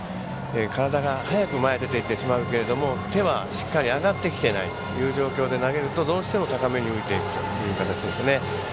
体が早く前に出てきてしまうけども手はしっかり上がってきてないという状況で投げるとどうしても高めに浮いていくという形ですね。